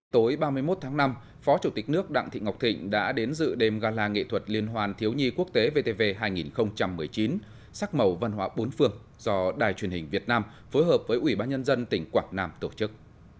tối ba mươi một tháng năm phó chủ tịch nước đặng thị ngọc thịnh đã đến dự đêm gala nghệ thuật liên hoàn thiếu nhi quốc tế vtv hai nghìn một mươi chín sắc màu văn hóa bốn phương do đài truyền hình việt nam phối hợp với ủy ban nhân dân tỉnh quảng nam tổ chức